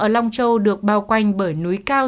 ở long châu được bao quanh bởi núi cao